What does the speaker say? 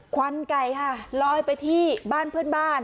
ควันไก่ค่ะลอยไปที่บ้านเพื่อนบ้าน